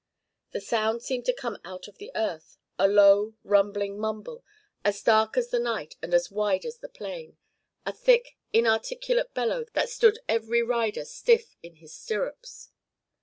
The sound seemed to come out of the earth, a low, rumbling mumble, as dark as the night and as wide as the plain, a thick inarticulate bellow that stood every rider stiff in his stirrups.